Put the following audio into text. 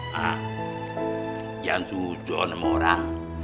ma jangan setuju sama orang